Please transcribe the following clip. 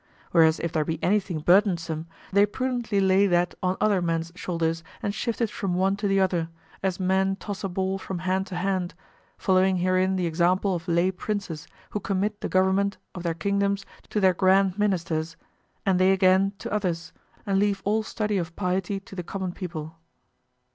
Whereas if there be anything burdensome, they prudently lay that on other men's shoulders and shift it from one to the other, as men toss a ball from hand to hand, following herein the example of lay princes who commit the government of their kingdoms to their grand ministers, and they again to others, and leave all study of piety to the common people.